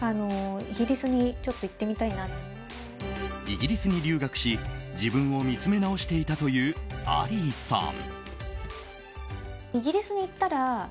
イギリスに留学し自分を見つめ直していたというアリーさん。